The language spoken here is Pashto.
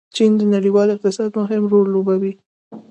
چین د نړیوال اقتصاد مهم رول لوبوي.